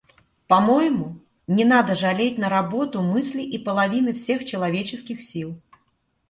По-моему, не надо жалеть на работу мысли и половины всех человеческих сил.